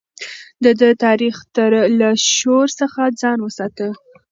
ده د تاريخ له شور څخه ځان وساته.